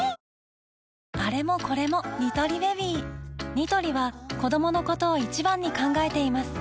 ニトリは子どものことを一番に考えています